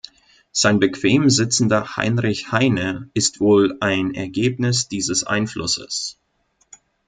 Sein "bequem sitzender Heinrich Heine" ist wohl ein Ergebnis dieses Einflusses.